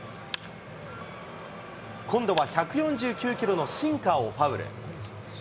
今度は１４９キロのシンカーをファウル。